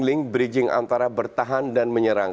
miskinya adalah bridging antara bertahan dan menyerang